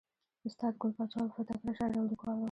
استاد ګل پاچا الفت تکړه شاعر او لیکوال ؤ.